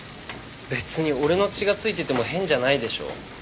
別に俺の血が付いてても変じゃないでしょ？